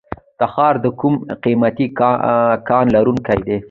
تخار د کوم قیمتي کان لرونکی دی؟